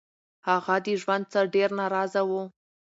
هغه د ژوند څخه ډير نا رضا وو